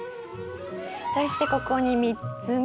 そしてここに３つ目。